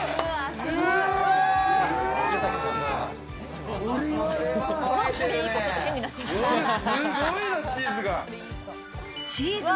すごいよ、チーズが。